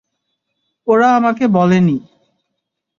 ওরা আমাকে বলেনি।